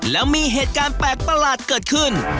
แล้วมีเหตุการณ์แปลกประหลาดเกิดขึ้น